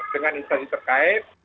dengan instansi terkait